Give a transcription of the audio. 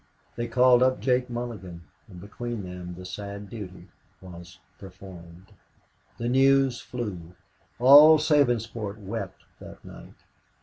They called up Jake Mulligan, and between them the sad duty was performed. The news flew. All Sabinsport wept that night.